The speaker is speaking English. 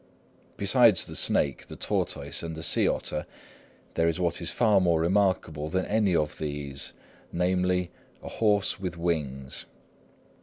Besides the snake, the tortoise, and the sea otter, there is what is far more remarkable than any of these, namely, a horse with wings.